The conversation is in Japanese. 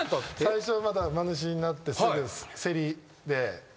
最初馬主になってすぐ競りで。